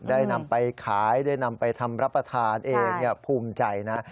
ได้นำไปขายได้นำไปทำรับประทานเองภูมิใจนะ